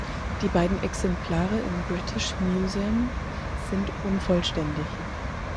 Die beiden Exemplare im British Museum sind unvollständig.